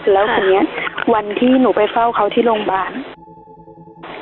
แล้วทีนี้วันที่หนูไปเฝ้าเขาที่โรงพยาบาล